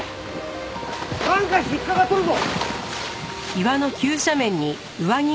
なんか引っかかっとるぞ。